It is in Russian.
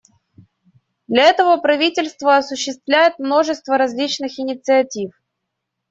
Для этого правительство осуществляет множество различных инициатив.